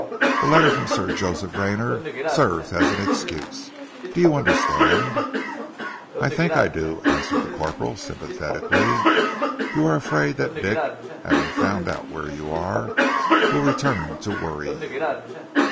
The letter from Sir Joseph Rayner serves for an excuse. Do you understand?" "I think I do," answered the corporal sympathetically. "You are afraid that Dick, having found out where you are, will return to worry you?"